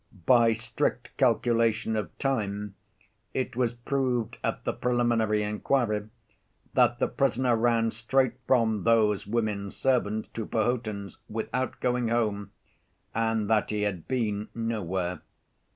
By strict calculation of time it was proved at the preliminary inquiry that the prisoner ran straight from those women servants to Perhotin's without going home, and that he had been nowhere.